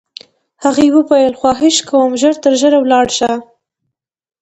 هغې وویل: خواهش کوم، ژر تر ژره ولاړ شه.